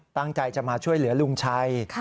ตั้งใจจะมาช่วยเหลือลุงชัย